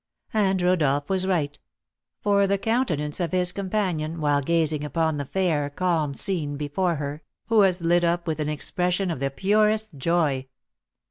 And Rodolph was right; for the countenance of his companion, while gazing upon the fair, calm scene before her, was lit up with an expression of the purest joy.